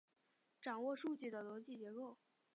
掌握数据的逻辑结构